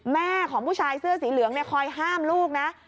แม่ของผู้ชายเสื้อสีเหลืองคอยห้ามลูกนะ